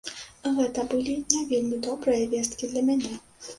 Гэта былі не вельмі добрыя весткі для мяне.